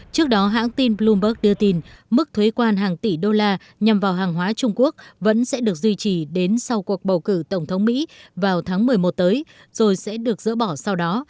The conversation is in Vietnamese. trước đó hãng tin bloomberg đưa tin mức thuế quan hàng tỷ đô la nhằm vào hàng hóa trung quốc vẫn sẽ được duy trì đến sau cuộc bầu cử tổng thống mỹ vào tháng một mươi một tới rồi sẽ được dỡ bỏ sau đó